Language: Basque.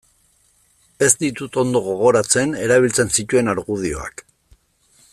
Ez ditut ondo gogoratzen erabiltzen zituen argudioak.